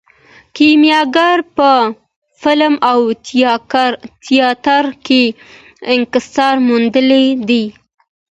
کیمیاګر په فلم او تیاتر کې انعکاس موندلی دی.